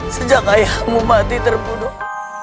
sejak ayahmu mati terbunuh